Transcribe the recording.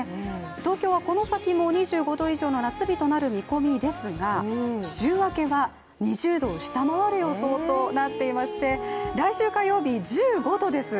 東京はこの先も２５度以上の夏日となる見込みですが週明けは２０度を下回る予想となっていまして、来週火曜日、１５度です。